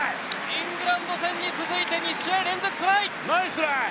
イングランド戦に続いて２試合連続トライ！